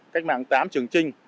cách mạng tám trường trinh